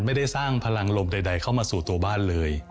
ไม่ได้สร้างพลังลมใดเข้ามาสู่ตัวบ้านเลย